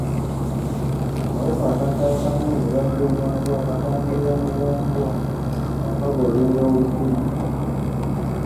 Akawuka akasaasaanya obulwadde bw'embwa katambulira mu bwongo nga kagoberera obusimu